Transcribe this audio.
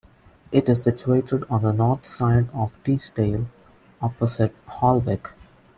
It is situated on the north side of Teesdale, opposite Holwick.